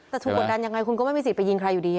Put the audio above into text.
แต่ถูกกดดันยังไงคุณก็ไม่มีสิทธิไปยิงใครอยู่ดี